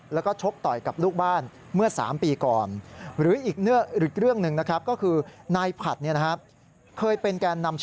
แล้วก็ชกต่อยกับลูกบ้านเมื่อ๓ปีก่อน